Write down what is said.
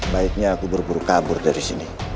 baiknya aku buru buru kabur dari sini